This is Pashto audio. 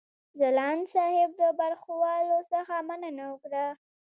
ځلاند صاحب د برخوالو څخه مننه وکړه.